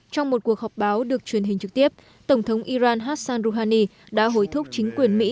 trong một cuộc họp báo được truyền hình trực tiếp tổng thống iran hassan rouhani đã hối thúc chính quyền mỹ